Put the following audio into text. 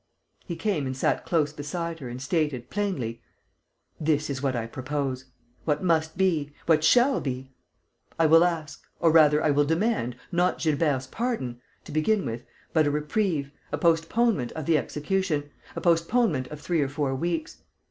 He came and sat close beside her and stated, plainly: "This is what I propose ... what must be ... what shall be.... I will ask, or rather I will demand, not Gilbert's pardon, to begin with, but a reprieve, a postponement of the execution, a postponement of three or four weeks.